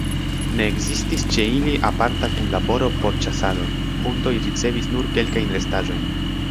Ne ekzistis ĉe ili aparta kunlaboro por ĉasado, hundoj ricevis nur kelkajn restaĵojn.